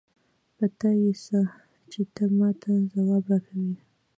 په تا يې څه؛ چې ته ما ته ځواب راکوې.